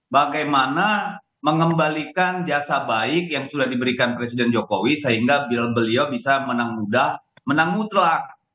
bagaimana mengembalikan jasa baik yang sudah diberikan presiden jokowi sehingga beliau bisa menang mudah menang mutlak